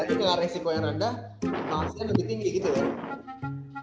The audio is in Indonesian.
lagi dengan resiko yang rendah maksudnya lebih tinggi gitu ya